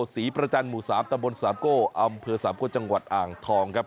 ศรีประจันทร์หมู่๓ตะบนสามโก้อำเภอสามโก้จังหวัดอ่างทองครับ